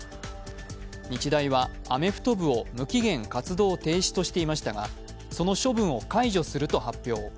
日大はアメフト部を無期限活動停止としていましたが、その処分を解除すると発表。